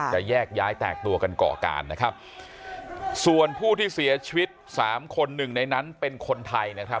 แยกย้ายแตกตัวกันก่อการนะครับส่วนผู้ที่เสียชีวิตสามคนหนึ่งในนั้นเป็นคนไทยนะครับ